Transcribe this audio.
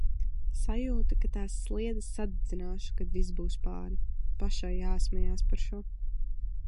Sajūta, ka tās sliedes sadedzināšu, kad viss būs pāri. Pašai jāsmejas par šo.